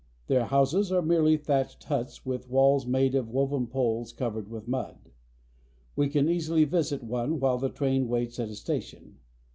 Their houses are merely thatched huts with walls made of woven poles covered with mud. We can easily visit one while the train waits at a station.